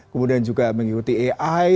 kemudian juga mengikuti ai